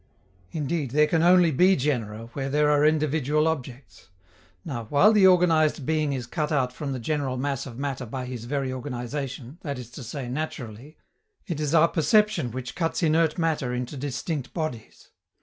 Indeed, there can only be genera where there are individual objects; now, while the organized being is cut out from the general mass of matter by his very organization, that is to say naturally, it is our perception which cuts inert matter into distinct bodies.